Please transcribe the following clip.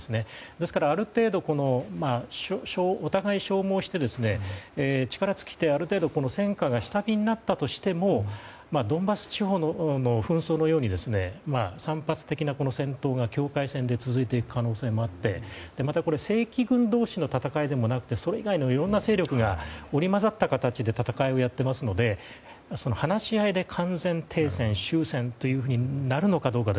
ですから、ある程度お互い消耗して力尽きて、ある程度戦火が下火になったとしてもドンバス地方の紛争のように散発的な戦闘が境界線で続いていく可能性もあってまた、正規軍同士の戦いでもなくてそれ以外のいろんな戦力が織り交ざった形で戦いをやっていますので話し合いで完全停戦、終戦となるのかどうか。